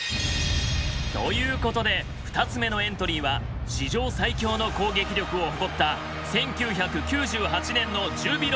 ということで２つ目のエントリーは史上最強の攻撃力を誇った１９９８年のジュビロ磐田。